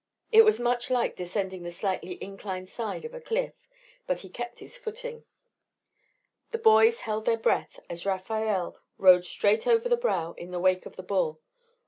It was much like descending the slightly inclined side of a cliff, but he kept his footing. The boys held their breath as Rafael rode straight over the brow in the wake of the bull.